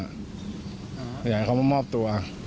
อยากให้เขามามอบตัว